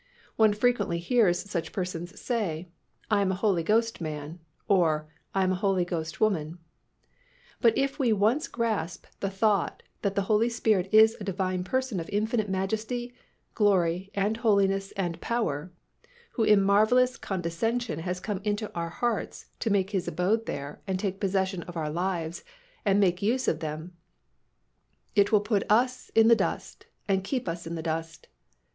One frequently hears such persons say, "I am a Holy Ghost man," or "I am a Holy Ghost woman." But if we once grasp the thought that the Holy Spirit is a Divine Person of infinite majesty, glory and holiness and power, who in marvellous condescension has come into our hearts to make His abode there and take possession of our lives and make use of them, it will put us in the dust and keep us in the dust.